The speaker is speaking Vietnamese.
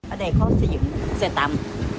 ở đây khó xây dựng xây tạm